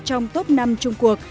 trong top năm trung quốc